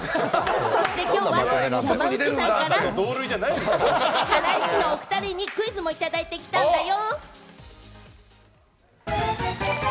そしてきょうは山内さんからハライチのお２人にクイズもいただいてきたんだよ。